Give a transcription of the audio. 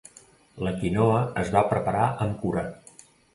La quinoa es va preparar amb cura.